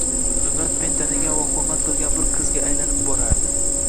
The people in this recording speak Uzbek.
Zumrad men tanigan va hurmat qilgan bir qizga aylanib borardi.